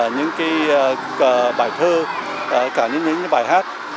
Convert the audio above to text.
những bài thơ cả những bài hát